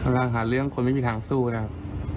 เราหาเรื่องคนไม่มีทางสู้นะครับ